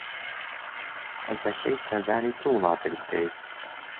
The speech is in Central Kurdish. حەز دەکەیت سەردانی چ وڵاتێک بکەیت؟